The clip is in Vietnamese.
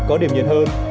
có điểm nhiệt hơn